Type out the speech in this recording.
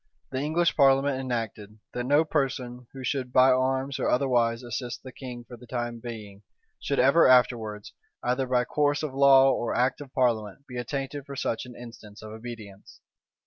The English parliament enacted, that no person who should by arms, or otherwise assist the king for the time being, should ever afterwards, either by course of law or act of parliament, be attainted for such an instance of obedience.